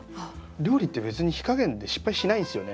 料理って別に火加減で失敗しないんすよね。